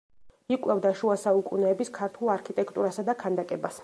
იკვლევდა შუა საუკუნეების ქართულ არქიტექტურასა და ქანდაკებას.